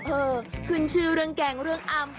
เออขึ้นชื่อเรื่องแกงเรื่องอ้ำ